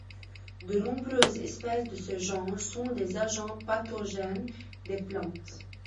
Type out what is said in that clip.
De nombreuses espèces de ce genre sont des agents pathogènes des plantes.